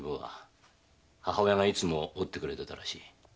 母親がいつも折ってくれたらしい。